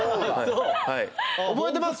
覚えてます？